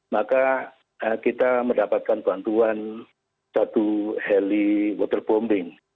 maka kita mendapatkan bantuan satu heli waterbombing